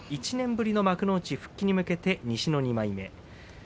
１年ぶりの幕内復帰に向けて西の２枚目。